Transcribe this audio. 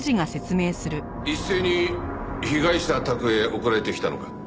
一斉に被害者宅へ送られてきたのか？